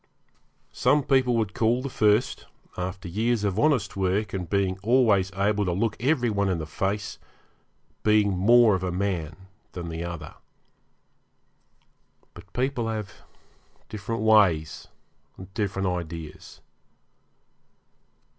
Some people would call the first, after years of honest work, and being always able to look every one in the face, being more of a man than the other. But people have different ways and different ideas.